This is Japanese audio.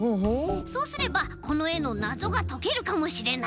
そうすればこのえのなぞがとけるかもしれない。